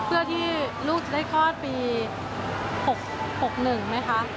เพื่อที่ลูกจะได้คลอดปี๖๑ไหมคะ